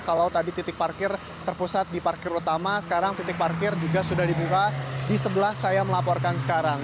kalau tadi titik parkir terpusat di parkir utama sekarang titik parkir juga sudah dibuka di sebelah saya melaporkan sekarang